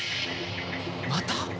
また！？